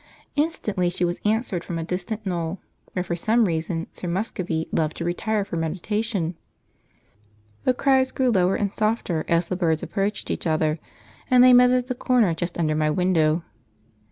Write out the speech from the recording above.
Instantly she was answered from a distant knoll, where for some reason Sir Muscovy loved to retire for meditation. The cries grew lower and softer as the birds approached each other, and they met at the corner just under my window.